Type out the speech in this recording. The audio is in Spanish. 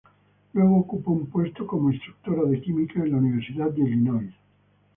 Luego ocupó un puesto como instructora de Química en la Universidad de Illinois.